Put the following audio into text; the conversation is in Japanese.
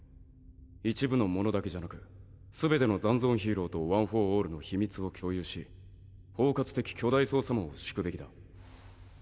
一部の者だけじゃなく全ての残存ヒーローとワン・フォー・オールの秘密を共有し包括的巨大捜査網を敷くべきだ。